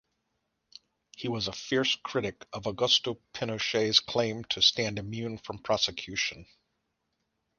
He was a fierce critic of Augusto Pinochet's claim to stand immune from prosecution.